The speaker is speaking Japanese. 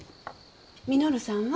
稔さんは？